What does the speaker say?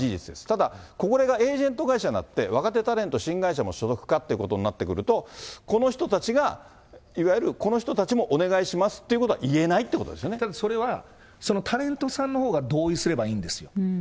ただ、これがエージェント会社になって、若手タレント、新会社も所属可っていうことになってくると、この人たちが、いわゆるこの人たちもお願いしますっていうことは言えないっていただ、それはタレントさんのほうが同意すればいいんですよ。